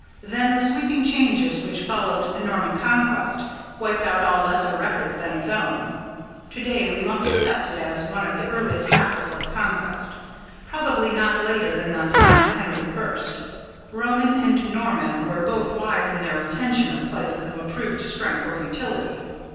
Then the sweeping changes which followed the Norman Conquest wiped out all lesser records than its own. To day we must accept it as one of the earliest castles of the Conquest, probably not later than the time of Henry I. Roman and Norman were both wise in their retention of places of approved strength or utility.